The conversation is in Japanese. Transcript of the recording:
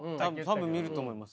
多分見ると思います。